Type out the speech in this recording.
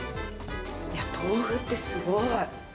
いや、豆腐ってすごい。